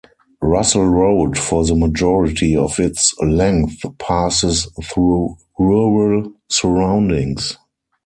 Russell Road for the majority of its length passes through rural surroundings.